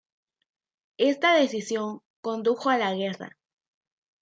Esta decisión condujo a la guerra.